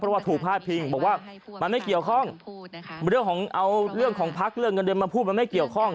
เพราะว่าถูกพาดพิงบอกว่ามันไม่เกี่ยวข้องเรื่องของเอาเรื่องของพักเรื่องเงินเดือนมาพูดมันไม่เกี่ยวข้อง